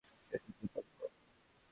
JDK call করো।